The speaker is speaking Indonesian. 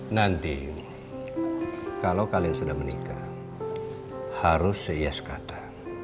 nanti kalau kalian sudah menikah harus seias kata